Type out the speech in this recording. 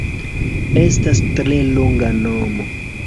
Estas tre longa nomo